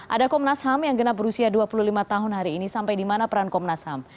ada komnas ham yang genap berusia dua puluh lima tahun hari ini sampai di mana peran komnas ham